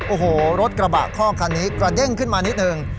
โอ้โหรถกระบะคอกคันนี้กระเด้งขึ้นมานิดหนึ่ง